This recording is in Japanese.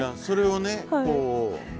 それをね